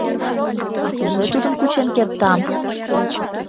— А кузе тудым кучен кертам?